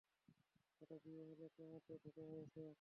এটা বিয়ে হলো ক্যামতে, ধোঁকা হয়েছে।